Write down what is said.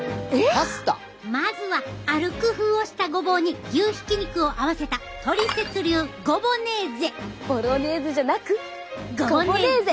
まずはある工夫をしたごぼうに牛ひき肉を合わせたボロネーゼじゃなくゴボネーゼ！